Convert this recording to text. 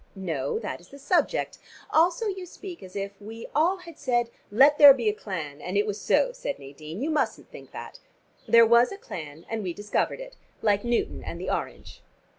"No, that is the subject. Also you speak as if we all had said, 'Let there be a clan, and it was so,'" said Nadine. "You mustn't think that. There was a clan, and we discovered it, like Newton and the orange."